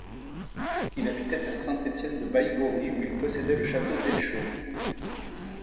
Il habitait à Saint-Étienne-de-Baïgorry où il possédait le château d'Etchaux.